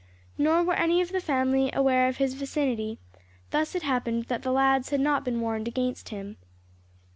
Nor were any of the family aware of his vicinity; thus it happened that the lads had not been warned against him.